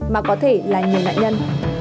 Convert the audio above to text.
mà có thể là nhiều nạn nhân